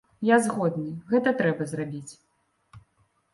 Я згодны, гэта трэба зрабіць.